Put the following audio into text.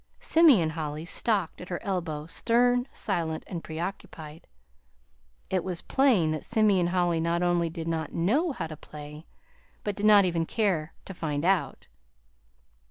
Simeon Holly stalked at her elbow, stern, silent, and preoccupied. It was plain that Simeon Holly not only did not know how to play, but did not even care to find out.